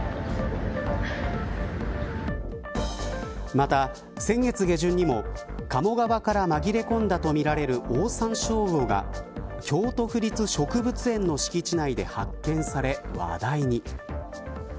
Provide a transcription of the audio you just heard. また、先月下旬にも鴨川から紛れ込んだとみられるオオサンショウウオが京都府立植物園の敷地内で発見され話題に。